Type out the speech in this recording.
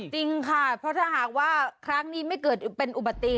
จริงค่ะเพราะถ้าหากว่าครั้งนี้ไม่เกิดเป็นอุบัติเหตุ